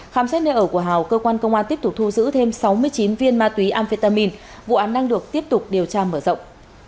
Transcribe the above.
khám xét nơi ở của hào cơ quan công an tiếp tục thu giữ thêm sáu mươi chín viên ma túy amphetamine vụ án đang được tiếp tục điều tra mở rộng